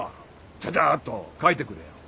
ちゃちゃっと書いてくれ。